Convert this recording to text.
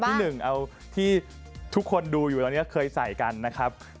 ที่หนึ่งเอาที่ทุกคนดูอยู่ตอนนี้เคยใส่กันนะครับ